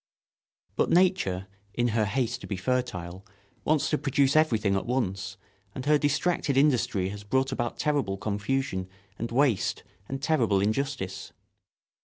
But nature, in her haste to be fertile, wants to produce everything at once, and her distracted industry has brought about terrible confusion and waste and terrible injustice.